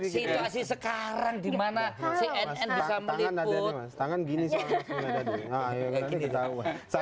situasi sekarang dimana cnn bisa meliput